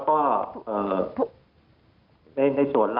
มคอนุญาตแทรกค่ะ